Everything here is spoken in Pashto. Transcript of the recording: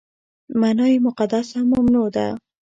معنا یې مقدس او ممنوع ده.